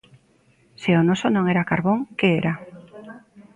Se o noso non era carbón, ¿que era?